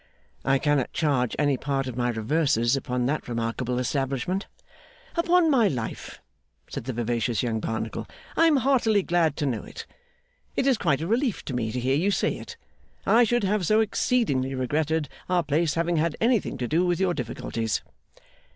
'I cannot charge any part of my reverses upon that remarkable establishment.' 'Upon my life,' said the vivacious young Barnacle, 'I am heartily glad to know it. It is quite a relief to me to hear you say it. I should have so exceedingly regretted our place having had anything to do with your difficulties.